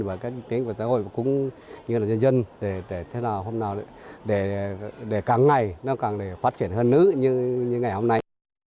và các kênh của giáo hội cũng như là dân dân để thế nào hôm nào để càng ngày nó càng để phát triển hơn nữa như ngày hôm nay